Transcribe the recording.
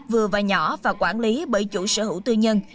vừa và nhỏ và quản lý bởi chủ sở hữu tư nhân